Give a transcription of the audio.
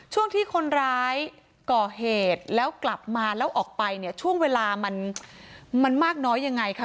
ช่วงที่คนร้ายก่อเหตุแล้วกลับมาแล้วออกไปเนี่ยช่วงเวลามันมากน้อยยังไงคะ